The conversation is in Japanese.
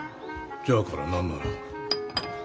じゃあから何なら。